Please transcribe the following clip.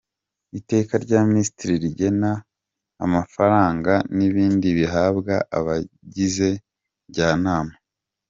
Iteka rya Minisitiri rigena amafaranga n‟ibindi bihabwa Abagize Njyanama